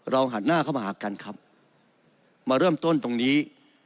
หันหน้าเข้ามาหากันครับมาเริ่มต้นตรงนี้